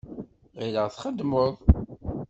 Ɣileɣ txeddmeḍ.